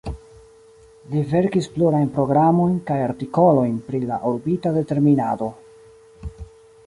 Li verkis plurajn programojn kaj artikolojn pri la orbita determinado.